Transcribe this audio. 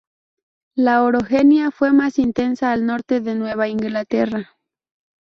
La orogenia fue más intensa al norte de Nueva Inglaterra.